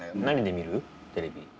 何で見る？テレビ。